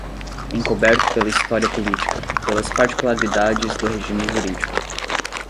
encoberto pela história política, pelas particularidades do regime jurídico